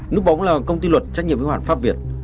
nước bóng là công ty luật trách nhiệm với hoàn pháp việt